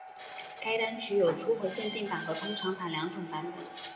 该单曲有初回限定版和通常版两种版本。